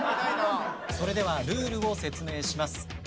それではルールを説明します。